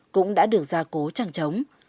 cũng đã được gia cố trăng chống